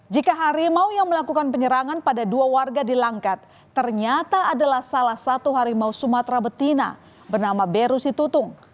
jika harimau yang melakukan penyerangan pada dua warga di langkat ternyata adalah salah satu harimau sumatera betina bernama beru situtung